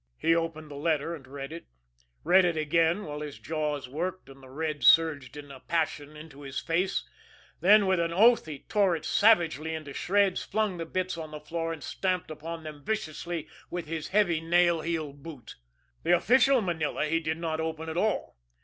He opened the letter and read it read it again while his jaws worked and the red surged in a passion into his face; then, with an oath, he tore it savagely into shreds, flung the bits on the floor and stamped upon them viciously with his heavy nail heeled boot. The official manila he did not open at all.